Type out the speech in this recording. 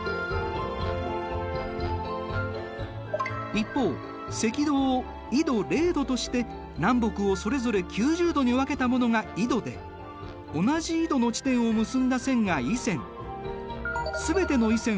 一方赤道を緯度０度として南北をそれぞれ９０度に分けたものが緯度で同じ緯度の地点を結んだ線が緯線。